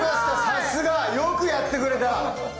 さすがよくやってくれた。